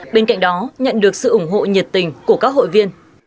bên cạnh đó nhận được sự ủng hộ nhiệt tình của các hội viên